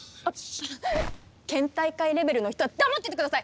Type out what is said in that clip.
県大会レベルの人は黙っててください！